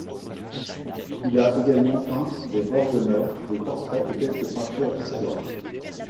Il a également peint des bords de mer, des portraits et quelques peintures d'histoire.